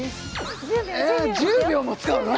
え１０秒も使うの？